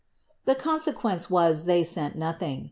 The consequence was, they sent nothing.